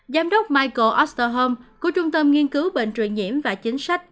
giám đốc michael osterholm của trung tâm nghiên cứu bệnh truyền nhiễm và chính sách